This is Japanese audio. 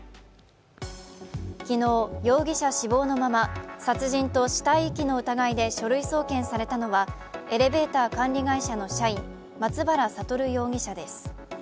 昨日、容疑者死亡のまま殺人と死体遺棄の疑いで書類送検されたのはエレベーター管理会社の社員、松原聡容疑者です。